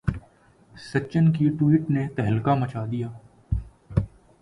سچن کی ٹوئٹ نے تہلکہ مچا دیا